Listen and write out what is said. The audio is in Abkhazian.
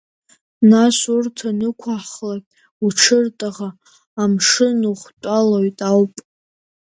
Нас урҭ анықәаҳхлак уҽыртаӷа амшын ухтәалоит ауп.